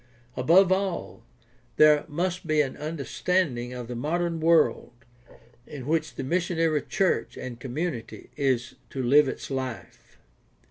Above all, there must be an understanding of the modem world in which the missionary church and community is to live its life.